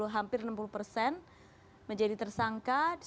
hampir enam puluh persen menjadi tersangka